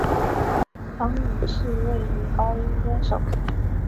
方颖是一位女高音歌手。